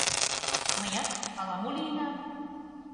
— Мыят... ала-мо лийынам...